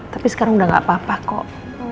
tapi sekarang udah gak apa apa kok